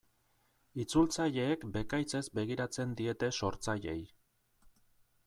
Itzultzaileek bekaitzez begiratzen diete sortzaileei.